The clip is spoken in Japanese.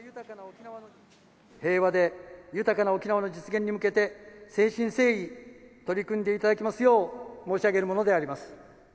平和で豊かな沖縄の実現に向けて、誠心誠意取り組んでいただきますよう申し上げるものであります。